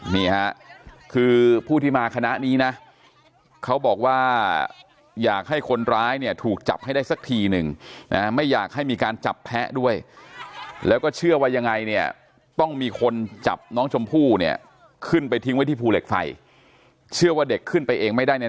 นี่ฮะคือผู้ที่มาคณะนี้นะเขาบอกว่าอยากให้คนร้ายเนี่ยถูกจับให้ได้สักทีนึงนะไม่อยากให้มีการจับแพ้ด้วยแล้วก็เชื่อว่ายังไงเนี่ยต้องมีคนจับน้องชมพู่เนี่ยขึ้นไปทิ้งไว้ที่ภูเหล็กไฟเชื่อว่าเด็กขึ้นไปเองไม่ได้ใน